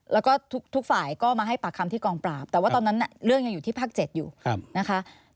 แล้วก็ทุกฝ่ายก็มาให้ปากคำที่กองปราบแต่ว่าตอนนั้นเรื่องยังอยู่ที่ภาค๗อยู่นะคะ